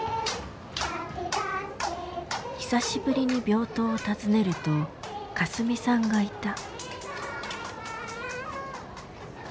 久しぶりに病棟を訪ねるとかすみさんがいた。